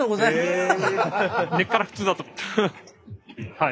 はい。